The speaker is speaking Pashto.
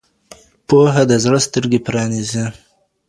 پوهه د زړه سترګې پرانیزي.